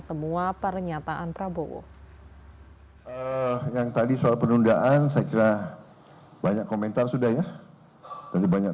semua pernyataan prabowo yang tadi soal penundaan saya kira banyak komentar sudah ya tadi banyak